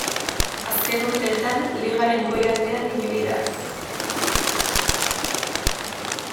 Azken urteetan Ligaren goi aldean ibili da.